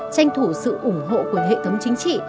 tranh thủ sự ủng hộ của hệ thống chính trị